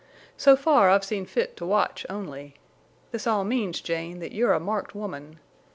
So far I've seen fit to watch only. This all means, Jane, that you're a marked woman.